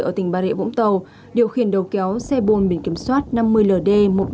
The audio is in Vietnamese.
ở tỉnh bà rịa vũng tàu điều khiển đầu kéo xe bồn bình kiểm soát năm mươi ld một mươi ba nghìn ba trăm năm mươi bốn